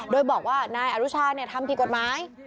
โดยบอกว่านายอนุชาทำผิดกฎหมาย